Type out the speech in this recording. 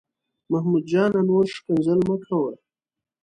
محمود جانه، نور کنځل مه کوه.